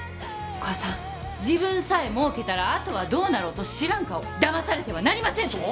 お母さん自分さえ儲けたらあとはどうなろうと知らん顔だまされてはなりません！